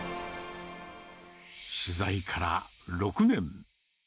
取材から６年。